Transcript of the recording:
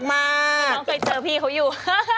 น้องเคยเจอพี่เขาอยู่